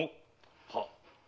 はっ。